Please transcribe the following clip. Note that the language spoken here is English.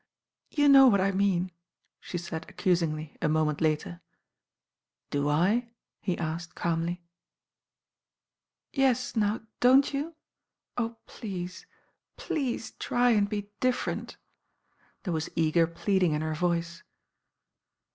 "You know what I mean," she said accusingly a moment later. "DoI?"heaskedcahnly. "Yes, now, don't you? Oh, please, please try and be different." There was eager pleading in her voice.